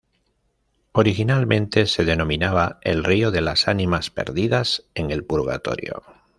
Originalmente se denominaba: El río de las Ánimas Perdidas en el Purgatorio.